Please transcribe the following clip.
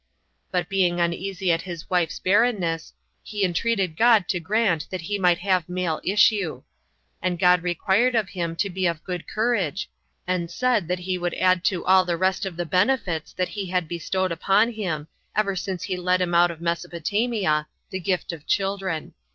But being uneasy at his wife's barrenness, he entreated God to grant that he might have male issue; and God required of him to be of good courage, and said that he would add to all the rest of the benefits that he had bestowed upon him, ever since he led him out of Mesopotamia, the gift of children.